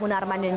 munarman dan jaya